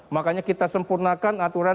makanya kita sempurnakan aturan